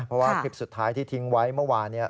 เพราะว่าคลิปสุดท้ายที่ทิ้งไว้เมื่อวาน